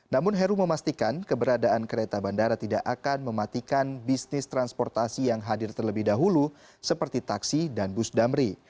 namun heru memastikan keberadaan kereta bandara tidak akan mematikan bisnis transportasi yang hadir terlebih dahulu seperti taksi dan bus damri